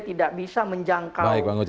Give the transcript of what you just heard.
tidak bisa menjangkau